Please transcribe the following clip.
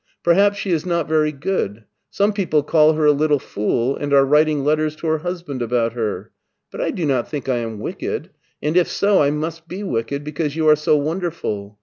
Perhaps she is not very good. Some people call her a little fool, and are writing letters to her husband about her. But I do not think I am wicked, and if so I must be wicked because you are so wonder ful.